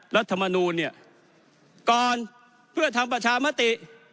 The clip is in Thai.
รัฐมนูลเนี่ยก่อนเพื่อทำประชามติ